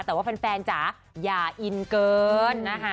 แต่ว่าแฟนจ๋าอย่าอินเกินนะคะ